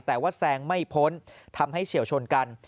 แต่ว่าแซงไม่พ้นทำให้เฉียวชนกัน